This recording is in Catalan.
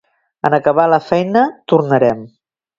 En acabar la feina tornarem.